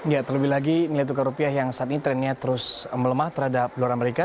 ya terlebih lagi nilai tukar rupiah yang saat ini trennya terus melemah terhadap dolar amerika